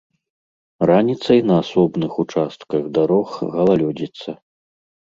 Раніцай на асобных участках дарог галалёдзіца.